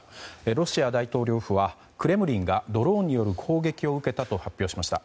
ロシア大統領府はクレムリンがドローンによる攻撃を受けたと発表しました。